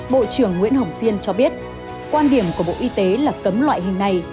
bộ trưởng nguyễn hồng xiên cho biết quan điểm của bộ y tế là cấm loại hình này